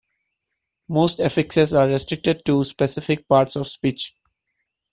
Most affixes are restricted to specific parts of speech.